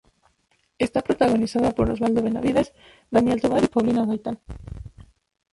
Está protagonizada por Osvaldo Benavides, Daniel Tovar, y Paulina Gaitán.